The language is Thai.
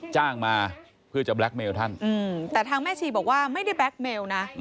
จ้างมาเพื่อจะแล็คเมลท่านแต่ทางแม่ชีบอกว่าไม่ได้แบล็คเมลนะ